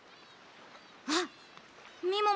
あっみももだ。